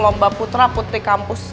lomba putra putri kampus